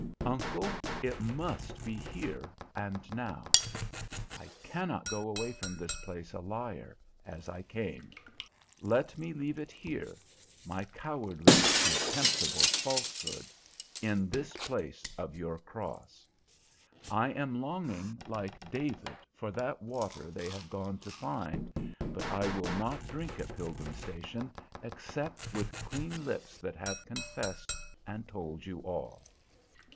"Uncle, it must be here and now. I cannot go away from this place a liar, as I came. Let me leave it here, my cowardly, contemptible falsehood, in this place of your cross. I am longing, like David, for that water they have gone to find, but I will not drink at Pilgrim Station, except with clean lips that have confessed and told you all." Mr.